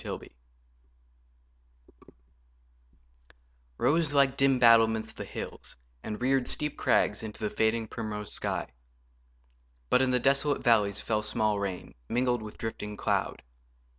MACBETH Rose, like dim battlements, the hills and reared Steep crags into the fading primrose sky; But in the desolate valleys fell small rain, Mingled with drifting cloud.